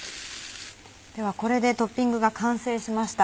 ではこれでトッピングが完成しました。